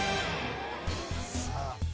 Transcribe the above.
さあ